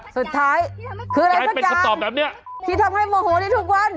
สุดท้ายคืออะไรสักอย่างที่ทำให้โมโหได้ทุกวัน